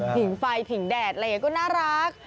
ผิงไฟผิงแดดอะไรอย่างนี้ก็น่ารัก